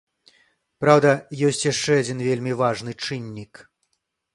Праўда, ёсць яшчэ адзін вельмі важны чыннік.